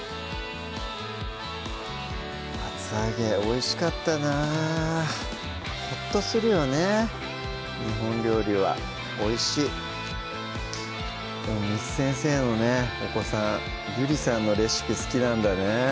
厚揚げおいしかったなほっとするよね日本料理はおいしいでも簾先生のねお子さんゆりさんのレシピ好きなんだね